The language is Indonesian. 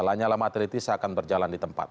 lanyala mateliti seakan berjalan di tempat